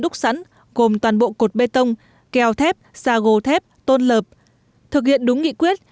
đúc sẵn gồm toàn bộ cột bê tông keo thép xa gồ thép tôn lợp thực hiện đúng nghị quyết